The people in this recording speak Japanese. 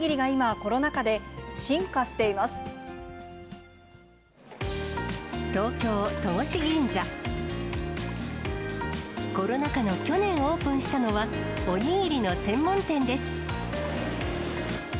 コロナ禍の去年オープンしたのは、おにぎりの専門店です。